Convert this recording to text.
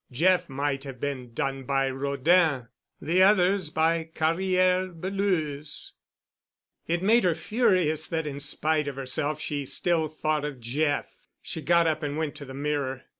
Jeff might have been done by Rodin, the others by Carrière—Beleuze. It made her furious that in spite of herself she still thought of Jeff. She got up and went to the mirror.